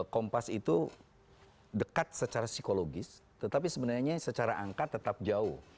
kompas itu dekat secara psikologis tetapi sebenarnya secara angka tetap jauh